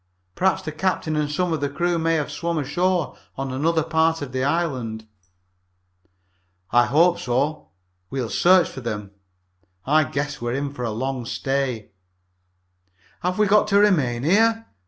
Perhaps the captain and some of the crew may have swum ashore on another part of this island." "I hope so. We'll search for them. I guess we're in for a long stay." "Have we got to remain here?"